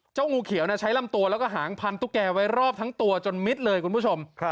งูเขียวใช้ลำตัวแล้วก็หางพันตุ๊กแกไว้รอบทั้งตัวจนมิดเลยคุณผู้ชม